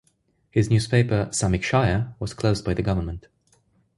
His newspaper "Samikshaya" was closed by the government.